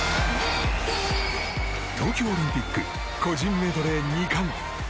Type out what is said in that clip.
東京オリンピック個人メドレー２冠。